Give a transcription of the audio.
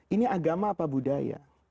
ini agama apa budaya